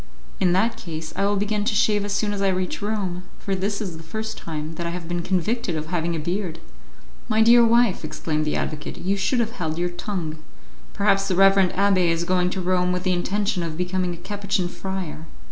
"In that case, I will begin to shave as soon as I reach Rome, for this is the first time that I have been convicted of having a beard." "My dear wife," exclaimed the advocate, "you should have held your tongue; perhaps the reverend abbé is going to Rome with the intention of becoming a Capuchin friar."